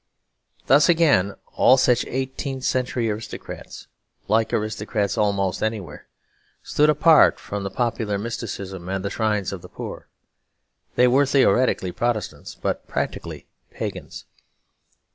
Thus again, all such eighteenth century aristocrats (like aristocrats almost anywhere) stood apart from the popular mysticism and the shrines of the poor; they were theoretically Protestants, but practically pagans.